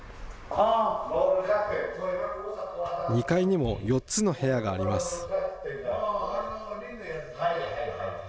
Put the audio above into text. ２階にも４つの部屋があります。